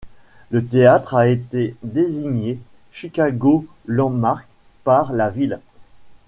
Le théâtre a été désigné Chicago Landmark par la ville.